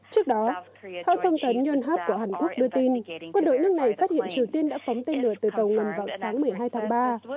trước đó hãng thông tấn yonhap của hàn quốc đưa tin quân đội nước này phát hiện triều tiên đã phóng tên lửa từ tàu ngầm vào sáng một mươi hai tháng ba